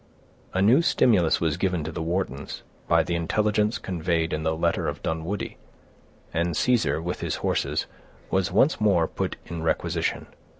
A new stimulus was given to the Whartons by the intelligence conveyed in the letter of Dunwoodie; and Caesar, with his horses, was once more put in requisition.